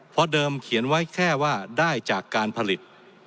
เพราะเดิมเขียนไว้แค่ว่าได้จากการผลิต